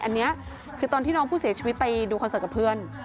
อันนี้คือตอนที่น้องผู้เสียชีวิตไปดูคอนเสิร์ตกับเพื่อน